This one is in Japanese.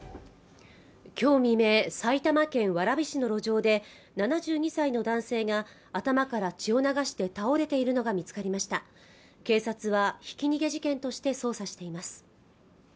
今日未明、埼玉県蕨市の路上で７２歳の男性が頭から血を流して倒れているのが見つかりました警察はひき逃げ事件として捜査しています